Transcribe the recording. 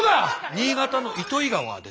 新潟の糸魚川ですよね。